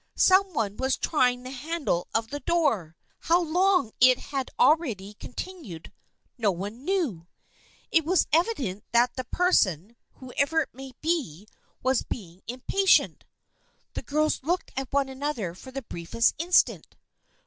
Some one was trying the handle of the door ! How long it had been already continued, no one knew. It was THE FKIENDSHIP OF ANNE 251 evident that the person, whoever it might be, was becoming impatient. The girls looked at one another for the briefest instant.